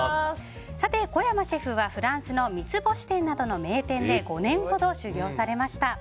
小山シェフはフランスの三つ星店などの名店で５年ほど修業されました。